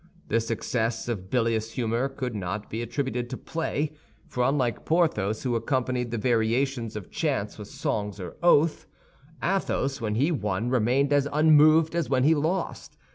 This excess of bilious humor could not be attributed to play; for unlike Porthos, who accompanied the variations of chance with songs or oaths, Athos when he won remained as unmoved as when he lost.